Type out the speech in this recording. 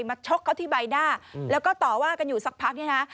ชกเขาที่ใบหน้าแล้วก็ต่อว่ากันอยู่สักพักเนี่ยนะ